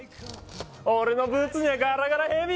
俺のブーツにゃガラガラヘビ！